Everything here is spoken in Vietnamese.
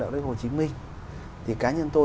đạo đức hồ chí minh thì cá nhân tôi